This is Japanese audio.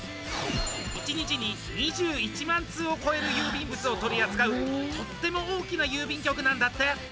一日に２１万通を超える郵便物を取り扱うとっても大きな郵便局なんだって。